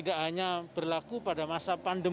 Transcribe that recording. tidak hanya berlaku pada masa pandemi